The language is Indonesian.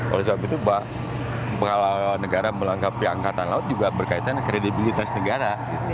oleh sebab itu pak kalau negara melangkapi angkatan laut juga berkaitan kredibilitas negara